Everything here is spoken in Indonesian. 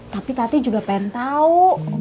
tapi tati juga pengen tahu